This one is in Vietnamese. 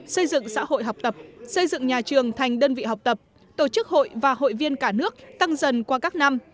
xây dựng xã hội học tập xây dựng nhà trường thành đơn vị học tập tổ chức hội và hội viên cả nước tăng dần qua các năm